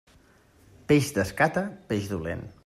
Peix d'escata, peix dolent.